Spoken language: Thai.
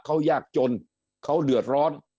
เขายากจนเขาเดือดร้อน